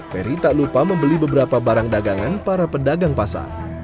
ferry tak lupa membeli beberapa barang dagangan para pedagang pasar